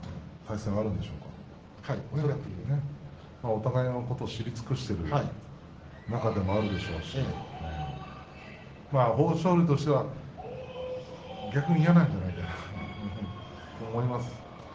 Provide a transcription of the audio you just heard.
お互いのことを知り尽くしている仲でもあるでしょうし豊昇龍としては逆に嫌なんじゃないかなと思いますよ。